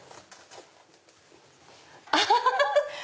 アハハハハ！